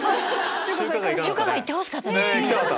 中華街行ってほしかったですね。